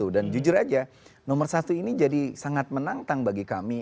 dan jujur aja nomor satu ini jadi sangat menantang bagi kami